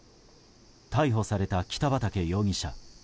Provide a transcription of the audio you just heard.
逮捕された北畠容疑者。